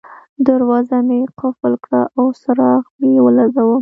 دروازه مې قلف کړه او څراغ مې ولګاوه.